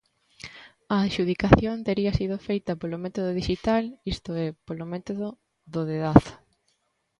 A adxudicación tería sido feita polo método dixital, isto é, polo método do dedazo.